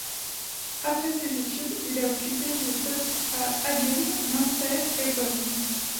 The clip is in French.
Après ses études, il a occupé des postes à Hagen, Münster et Bonn.